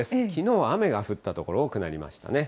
きのうは雨が降った所多くなりました。